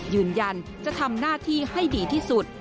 ยืนยันจะทำหน้าที่ให้ดีที่สุด